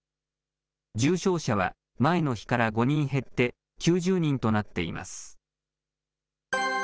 重症者は前の日から５人減って、９０人となっています。